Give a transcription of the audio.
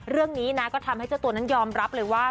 เรื่องนี้นะก็ทำให้เจ้าตัวนั้นยอมรับเลยว่า